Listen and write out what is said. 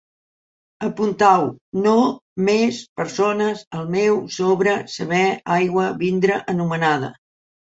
Apuntau: no, més, persones, el meu, sobre, saber, aigua, vindre, anomenada